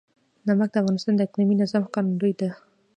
نمک د افغانستان د اقلیمي نظام ښکارندوی ده.